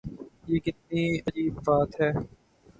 یہ کتنی عجیب بات ہے۔